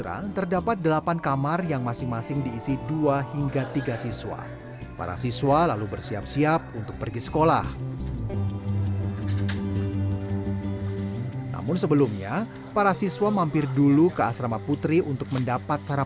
pembelajaran multikultural juga berlangsung di luar jam sekolah